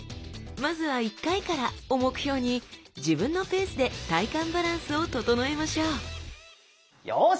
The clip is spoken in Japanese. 「まずは１回から」を目標に自分のペースで体幹バランスを整えましょうよし！